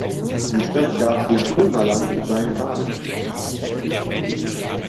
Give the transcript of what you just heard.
Die Stadt gab dem Kulmerland seinen Namen.